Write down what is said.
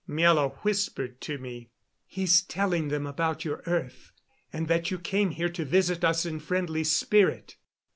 Miela whispered to me. "He is telling them about your earth, and that you came here to visit us in friendly spirit."